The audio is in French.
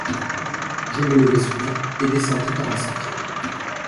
Je me levai soudain et descendis par un sentier.